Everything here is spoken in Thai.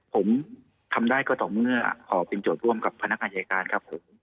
ผมทำได้ก็ต่อเมื่อขอเป็นโจทย์ร่วมกับพนักงานอายการครับผม